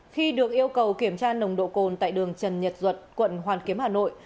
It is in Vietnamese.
khi được yêu cầu kiểm tra nồng độ cồn tại đường trần nhật duật quận hoàn kiếm hà nội